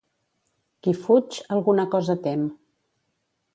Qui fuig alguna cosa tem.